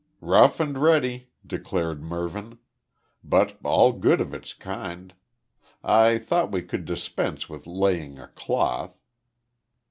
"Rough and ready," declared Mervyn, "but all good of its kind. I thought we could dispense with laying a cloth."